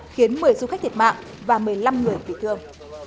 khiến một mươi du khách thiệt mạng và một mươi năm người bị thương